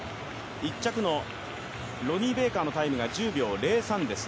１着のロニー・ベイカーのタイムが１０秒０３です。